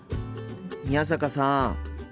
宮坂さん。